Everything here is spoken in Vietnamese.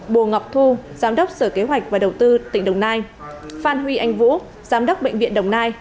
bùa ngọc thu giám đốc sở kế hoạch và đầu tư tỉnh đồng nai phan huy anh vũ giám đốc bệnh viện đồng nai